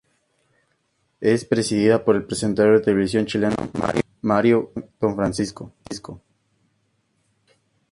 Es presidida por el presentador de televisión chileno Mario Kreutzberger, Don Francisco.